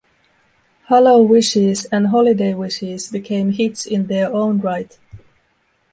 "HalloWishes" and "Holiday Wishes" became hits in their own right.